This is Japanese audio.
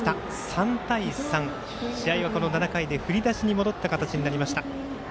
３対３、試合はこの７回で振り出しに戻った形になりました。